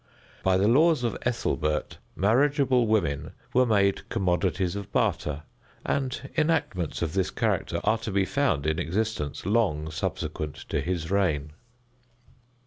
By the laws of Ethelbert marriageable women were made commodities of barter, and enactments of this character are to be found in existence long subsequent to his reign.